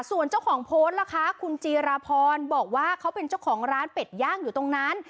ส่วนเจ้าของโพสต์ล่ะคะคุณจีราพรบอกว่าเขาเป็นเจ้าของร้านเป็ดย่างอยู่ตรงนั้น